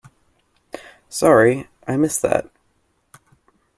Sorry, I missed that.